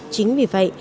chính vì vậy